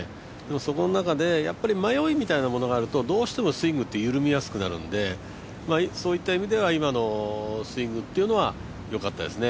そこの中で迷いみたいなものがあるとどうしてもスイングって緩みやすくなるんでそういった意味では今のスイングはよかったですね。